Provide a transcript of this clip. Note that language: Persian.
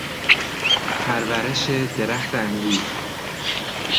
پرورش درخت انگور